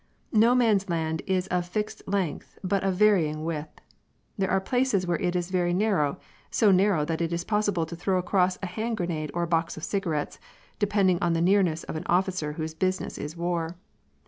No Man's Land is of fixed length but of varying width. There are places where it is very narrow, so narrow that it is possible to throw across a hand grenade or a box of cigarettes, depending on the nearness of an officer whose business is war.